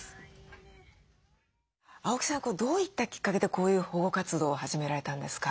青木さんどういったきっかけでこういう保護活動を始められたんですか？